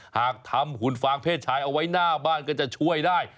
หากทำหุ่นฟางเพศชายเอาไว้หน้าบ้านก็จะช่วยได้